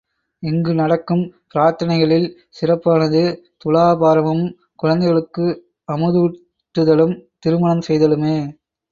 இங்கு நடக்கும் பிரார்த்தனைகளில் சிறப்பானது துலாபாரமும், குழந்தைகளுக்கு அமுதூட்டுதலும், திருமணம் செய்தலுமே.